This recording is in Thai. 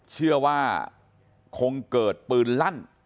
สวัสดีครับ